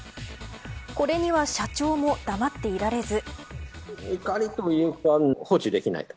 これには社長も黙っていられず。